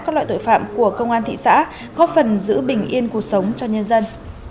các loại tội phạm của công an thị xã góp phần giữ bình yên cuộc sống cho nhân dân